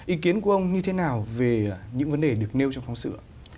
ý kiến của ông như thế nào về những vấn đề được nêu trong phóng sự